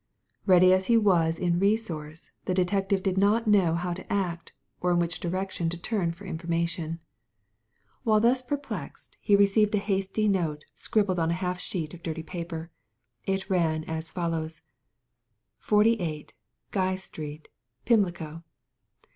Ready as he was in resource, the detective did not know how to act, or in which direction to turn for information. While thus perplexed he received a hasty note Digitized by Google 44 THE LADY FROM NOWHERE scribbled on a half sheet of diiiy paper. It ran as follows :— *'48^ Guy Street, Pimlico.